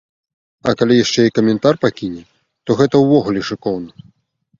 А калі яшчэ і каментар пакіне, то гэта ўвогуле шыкоўна.